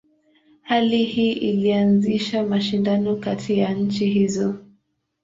Hali hii ilianzisha mashindano kati ya nchi hizo.